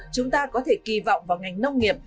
chúng ta có thể kỳ vọng vào ngành nông nghiệp